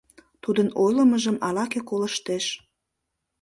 Тудын ойлымыжым ала-кӧ колыштеш.